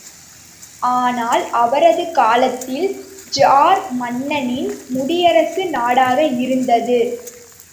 ஆனால், அவரது காலத்தில் ஜார் மன்னனின் முடியரசு நாடாக இருந்தது.